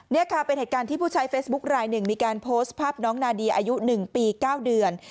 นี่ค่ะเป็นเหตุการณ์ที่ผู้ใช้เฟซบุ๊คลายหนึ่งมีการโพสต์ภาพน้องนาเดียอายุ๑ปี๙เดือน